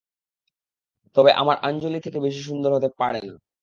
তবে আমার আঞ্জলি থেকে বেশি সুন্দর হতে পারে না।